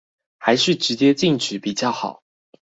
還是直接禁止比較好